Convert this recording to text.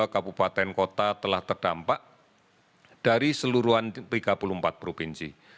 empat ratus dua puluh dua kabupaten kota telah terdampak dari seluruhan tiga puluh empat provinsi